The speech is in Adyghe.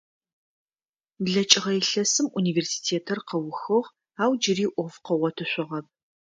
БлэкӀыгъэ илъэсым университетыр къыухыгъ ау джыри Ӏоф къыгъотышъугъэп.